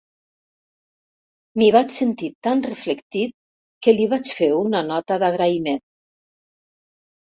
M'hi vaig sentir tan reflectit que li vaig fer una nota d'agraïment.